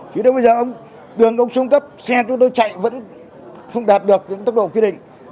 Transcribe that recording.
chỉ đến bây giờ đường xuống cấp xe chúng tôi chạy vẫn không đạt được tốc độ quy định